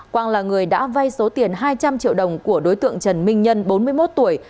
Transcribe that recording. quang là người đã vay số tiền hai trăm linh triệu đồng của đối tượng trần minh nhân bốn mươi một tuổi